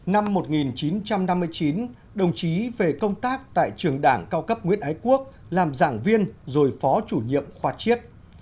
năm một nghìn chín trăm năm mươi chín đồng chí về công tác tại trường đảng cao cấp nguyễn ái quốc làm giảng viên rồi phó chủ nhiệm khoa chiết